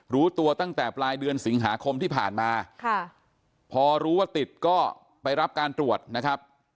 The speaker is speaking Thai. รู้ตัวตั้งแต่ปลายเดือนสิงหาคมที่ผ่านมาพอรู้ว่าติดก็ไปรับการตรวจนะครับ